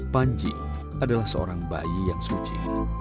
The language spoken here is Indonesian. panji adalah seorang bayi yang suci